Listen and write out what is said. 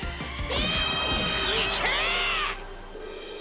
いけ！